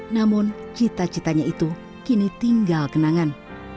namun cita citanya itu kini tinggal kenangan